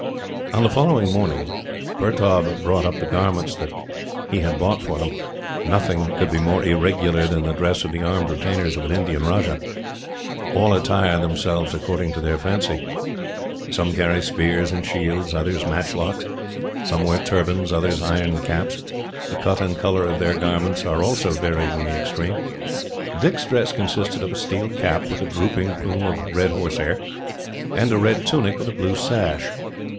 On the following morning, Pertaub brought up the garments that he had bought for them. Nothing could be more irregular than the dress of the armed retainers of an Indian rajah. All attire themselves according to their fancy. Some carry spears and shields, others matchlocks. Some wear turbans, others iron caps. The cut and colour of their garments are also varied in the extreme. Dick's dress consisted of a steel cap, with a drooping plume of red horsehair, and a red tunic with a blue sash.